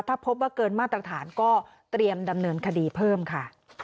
ถ้าพบว่าเกินมาตรฐานก็เตรียมดำเนินคดีเพิ่มค่ะ